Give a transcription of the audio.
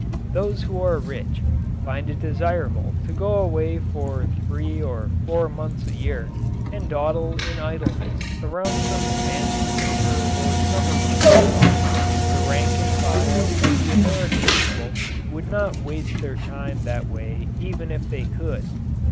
Those who are rich find it desirable to go away for three or four months a year and dawdle in idleness around some fancy winter or summer resort. The rank and file of the American people would not waste their time that way even if they could.